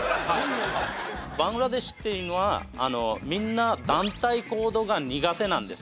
バングラデシュというのはみんな団体行動が苦手なんです。